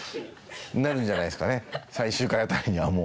なるんじゃないんですかね最終回あたりにはもう。